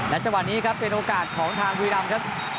จังหวะนี้ครับเป็นโอกาสของทางบุรีรำครับ